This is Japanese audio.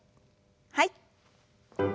はい。